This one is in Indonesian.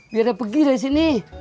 biar pergi dari sini